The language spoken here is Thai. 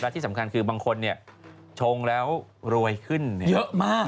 ที่สำคัญคือบางคนชงแล้วรวยขึ้นเยอะมาก